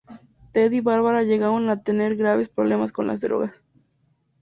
Ted y Barbara llegaron a tener graves problemas con las drogas.